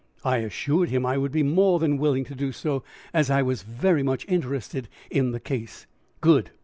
I assured him I would be more than willing to do so, as I was very much interested in the case. "Good!